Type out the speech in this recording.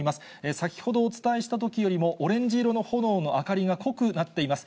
先ほどお伝えしたときよりも、オレンジ色の炎の明かりが濃くなっています。